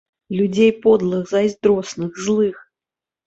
Людзей подлых, зайздросных, злых.